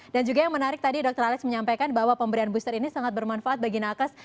dan juga yang menarik tadi dr alex menyampaikan bahwa pemberian booster ini sangat bermanfaat bagi nakes